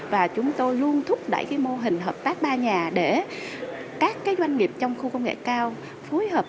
và chúng tôi luôn thúc đẩy mô hình hợp tác ba nhà để các doanh nghiệp trong khu công nghệ cao phối hợp